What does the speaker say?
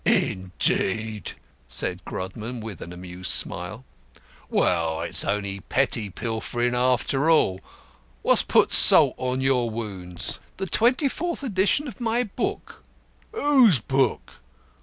"Indeed?" said Grodman, with an amused smile. "Well, it's only petty pilfering, after all. What's put salt on your wounds?" "The twenty fourth edition of my book." "Whose book?"